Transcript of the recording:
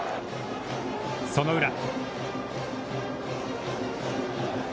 その裏。